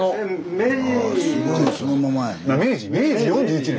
明治４１年。